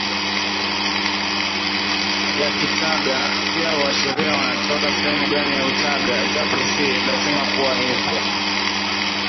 ya Kichagga pia huashiria wanatoka sehemu gani ya Uchaga japo si lazima kuwa hivyo